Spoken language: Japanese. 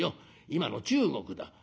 今の中国だ。